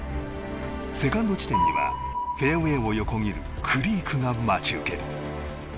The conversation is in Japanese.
セカンド地点にはフェアウェーを横切るクリークが待ち受ける。